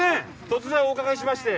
突然お伺いしまして。